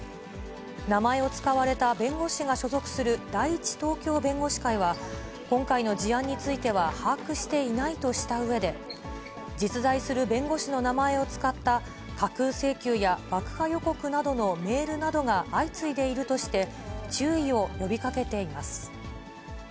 名前を使われた弁護士が所属する第一東京弁護士会は、今回の事案については把握していないとしたうえで、実在する弁護士の名前を使った架空請求や、爆破予告などのメールなどが相次いでいるとして、注意を呼びかけています。